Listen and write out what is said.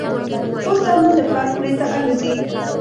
اوس زامن د پلار خولې ته الوزي.